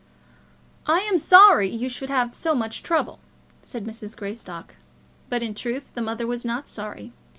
"I am sorry you should have so much trouble," said Mrs. Greystock. But in truth the mother was not sorry.